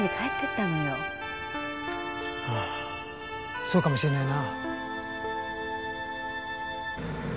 ああそうかもしれないな。